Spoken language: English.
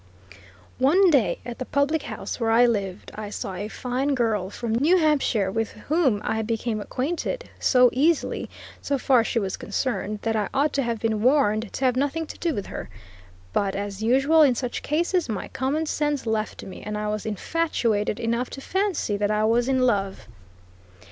One day, at the public house where I lived, I saw a fine girl from New Hampshire, with whom I became acquainted so easily, so far as she was concerned that I ought to have been warned to have nothing to do with her; but, as usual, in such cases, my common sense left me, and I was infatuated enough to fancy that I was in love.